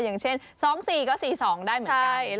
อย่างเช่น๒๔ก็๔๒ได้เหมือนกัน